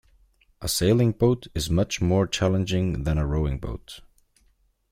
A sailing boat is much more challenging than a rowing boat